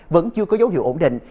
vẫn chưa có dấu hiệu ổn định